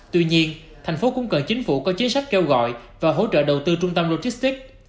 tuy nhiên thành phố cũng cần chính phủ có chính sách kêu gọi và hỗ trợ đầu tư trung tâm logistics